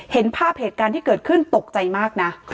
เห็นภาพเหตุการณ์ที่เกิดขึ้นตกใจมากนะ